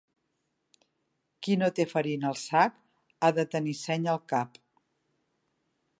Qui no té farina al sac, ha de tenir seny al cap.